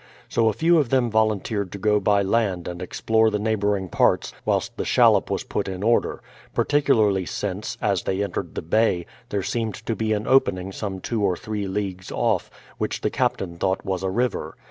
So a few of them volunteered to go by land and explore the neighbouring parts, whilst the shallop was put, in order; particularly since, as they entered the bay, there seemed to be an opening some two or three leagues off, which the captain thought was a river.